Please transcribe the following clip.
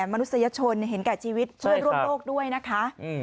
มนุษยชนเห็นกับชีวิตช่วยร่วมโลกด้วยนะคะ